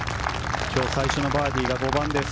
今日最初のバーディーが５番です。